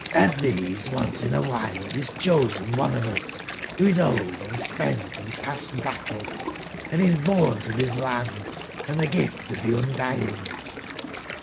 Of tbese once in a wbile is cbosen one of us, wbo is old and spent and past battle, and is borne to tbis landand tbe giftof tbeOndying.